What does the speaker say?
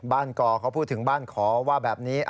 บ้านกรเขาพูดถึงบ้านขอแบบนี้